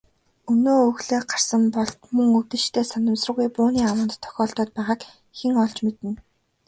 Өнөө өглөө гарсан Болд мөн үдэштээ санамсаргүй бууны аманд тохиолдоод байгааг хэн олж мэднэ.